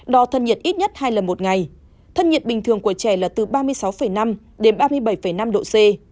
đo thân nhiệt ít nhất hai lần một ngày thân nhiệt bình thường của trẻ là từ ba mươi sáu năm đến ba mươi bảy năm độ c